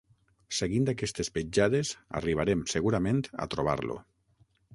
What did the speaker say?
Seguint aquestes petjades arribarem segurament a trobar-lo.